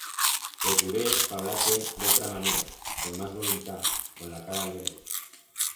Procuré fablar-te d'otra manera, con mas voluntat, con la cara alegre.